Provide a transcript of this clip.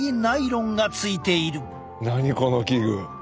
何この器具。